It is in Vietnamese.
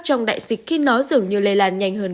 trong đại dịch khi nó dường như lây lan nhanh hơn